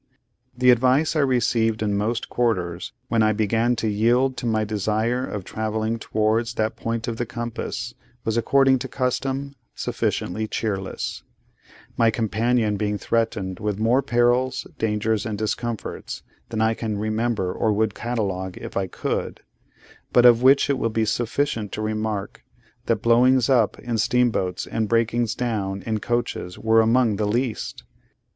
The advice I received in most quarters when I began to yield to my desire of travelling towards that point of the compass was, according to custom, sufficiently cheerless: my companion being threatened with more perils, dangers, and discomforts, than I can remember or would catalogue if I could; but of which it will be sufficient to remark that blowings up in steamboats and breakings down in coaches were among the least.